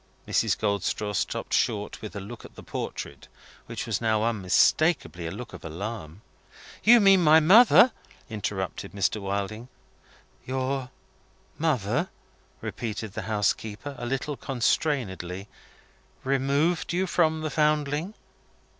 Mrs. Goldstraw stopped short with a look at the portrait which was now unmistakably a look of alarm. "You mean my mother," interrupted Mr. Wilding. "Your mother," repeated the housekeeper, a little constrainedly, "removed you from the Foundling?